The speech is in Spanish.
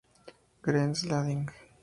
Greens Landing